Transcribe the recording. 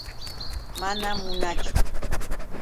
Manam munaachu.